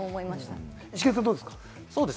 イシケンさん、どうですか？